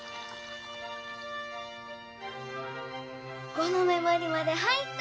５の目もりまで入った！